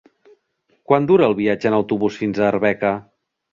Quant dura el viatge en autobús fins a Arbeca?